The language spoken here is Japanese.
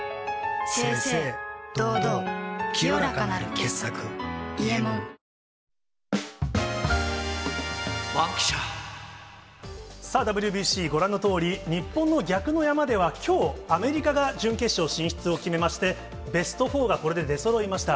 清々堂々清らかなる傑作「伊右衛門」さあ、ＷＢＣ、ご覧のとおり、日本の逆の山ではきょう、アメリカが準決勝進出を決めまして、ベストフォーがこれで出そろいました。